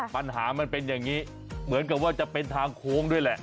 ปัญหามันเป็นอย่างนี้เหมือนกับว่าจะเป็นทางโค้งด้วยแหละ